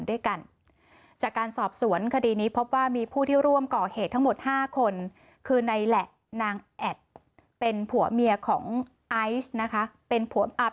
ด้วยกันจากการสอบสวนคดีนี้พบว่ามีผู้ที่ร่วมก่อเหตุทั้งหมดฮ่าคนคือในละ